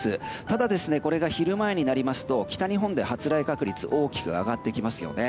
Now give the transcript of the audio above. ただ昼前になりますと北日本で発雷確率が大きく上がってきますよね。